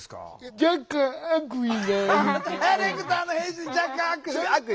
ディレクターの編集に若干悪意。